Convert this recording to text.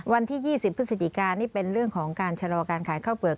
วันที่๒๐พฤศจิกานี่เป็นเรื่องของการชะลอการขายข้าวเปลือก